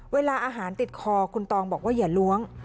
เวลาอาหารติดคอคุณตองบอกว่าอย่าล้วง